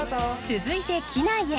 続いて機内へ。